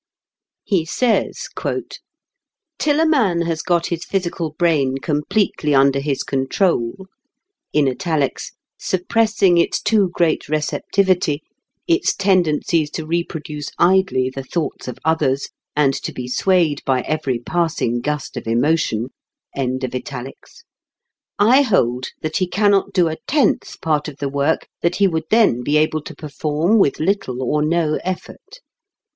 He says: "Till a man has got his physical brain completely under his control _suppressing its too great receptivity, its tendencies to reproduce idly the thoughts of others, and to be swayed by every passing gust of emotion_ I hold that he cannot do a tenth part of the work that he would then be able to perform with little or no effort.